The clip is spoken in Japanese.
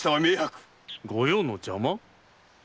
御用の邪魔？